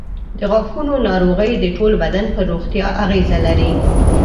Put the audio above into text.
د غاښونو ناروغۍ د ټول بدن پر روغتیا اغېز لري.